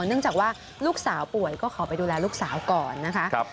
เนื่องจากว่าลูกสาวป่วยก็ขอไปดูแลลูกสาวก่อนนะคะ